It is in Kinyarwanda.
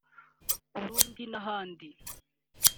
Burundi n’ahandi